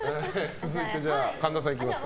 続いて、神田さんいきますか。